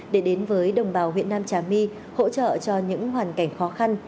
để đến với đồng bào huyện nam trà my hỗ trợ cho những hoàn cảnh khó khăn